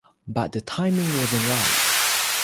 But the timing wasn't right.